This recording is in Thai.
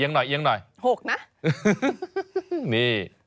ไซส์ลำไย